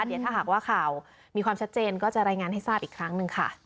เดี๋ยวถ้าหากว่าข่าวมีความชัดเจนก็จะรายงานให้ทราบอีกครั้งหนึ่งค่ะ